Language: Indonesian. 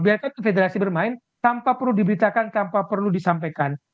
biarkan federasi bermain tanpa perlu diberitakan tanpa perlu disampaikan